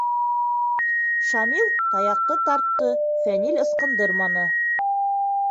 -Шамил таяҡты тартты, Фәнил ыскындырманы.